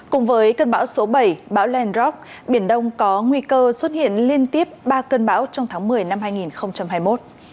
cùng với cơn bão số bảy bão lendrock biển đông có nguy cơ xuất hiện liên tiếp ba cơn bão trong tháng một mươi năm hai nghìn hai mươi một